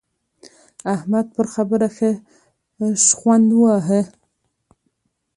احمد پر خبره ښه شخوند وواهه.